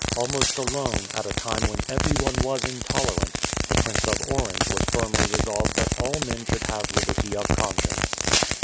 Almost alone, at a time when every one was intolerant, the Prince of Orange was firmly resolved that all men should have liberty of conscience.